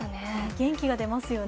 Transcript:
元気が出ますよね。